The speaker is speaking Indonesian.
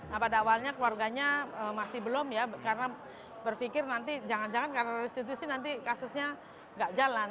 nah pada awalnya keluarganya masih belum ya karena berpikir nanti jangan jangan karena restitusi nanti kasusnya nggak jalan